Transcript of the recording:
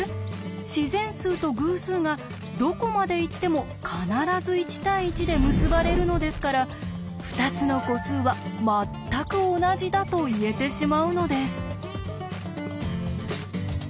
自然数と偶数がどこまでいっても必ず１対１で結ばれるのですから２つの個数は「まったく同じだ」と言えてしまうのです。